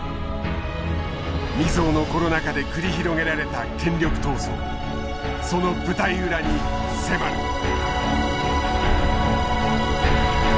未曽有のコロナ禍で繰り広げられた権力闘争その舞台裏に迫る。